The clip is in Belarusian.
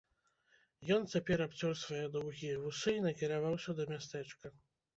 Ён цяпер абцёр свае доўгія вусы і накіраваўся да мястэчка.